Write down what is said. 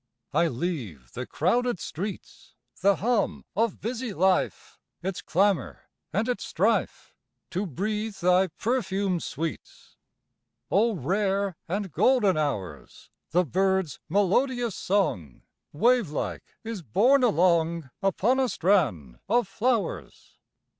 I leave the crowded streets, The hum of busy life, Its clamor and its strife, To breathe thy perfumed sweets. O rare and golden hours! The bird's melodious song, Wavelike, is borne along Upon a strand of flowers.